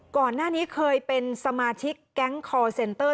ก่อนหน้านี้เคยเป็นสมาชิกแก๊งคอร์เซ็นเตอร์